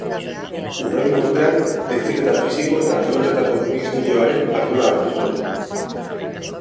Hurrengo urtean Heziketa Fisiko eta Kiroletako Ministerioaren ardura hartu zuen.